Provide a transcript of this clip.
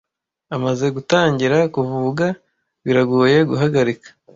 Amaze gutangira kuvuga, biragoye guhagarika.